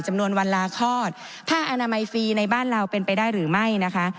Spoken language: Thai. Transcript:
จำนวนวันลาคลอดผ้าอนามัยฟรีในบ้านเราเป็นไปได้หรือไม่นะคะ